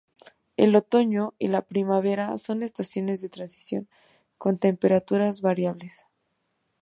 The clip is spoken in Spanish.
El otoño y la primavera son estaciones de transición con temperaturas variables.